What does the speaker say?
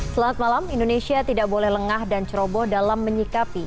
selamat malam indonesia tidak boleh lengah dan ceroboh dalam menyikapi